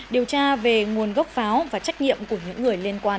điều tra về nguồn gốc pháo và trách nhiệm của những người liên quan